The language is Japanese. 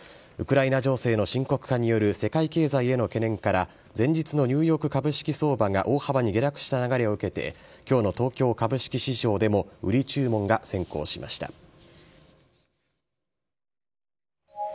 ウクライナ情勢の深刻化による世界経済への懸念から、前日のニューヨーク株式相場が大幅に下落した流れを受けて、きょうの東京株式市場でも売り注文が先行しました。